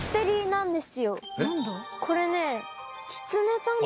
これね。